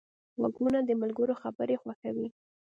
غوږونه د ملګرو خبرې خوښوي